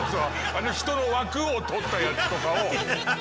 あの人の枠を取ったやつとかを。